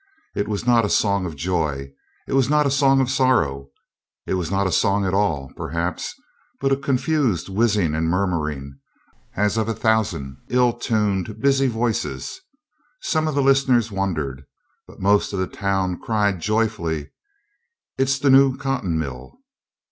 It was not a song of joy; it was not a song of sorrow; it was not a song at all, perhaps, but a confused whizzing and murmuring, as of a thousand ill tuned, busy voices. Some of the listeners wondered; but most of the town cried joyfully, "It's the new cotton mill!"